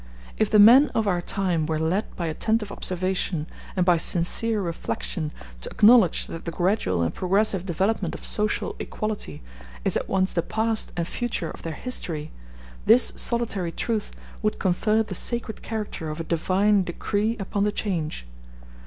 If the men of our time were led by attentive observation and by sincere reflection to acknowledge that the gradual and progressive development of social equality is at once the past and future of their history, this solitary truth would confer the sacred character of a Divine decree upon the change.